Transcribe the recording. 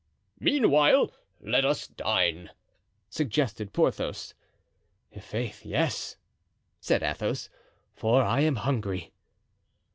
"Meanwhile, let us dine," suggested Porthos. "I'faith, yes," said Athos, "for I am hungry."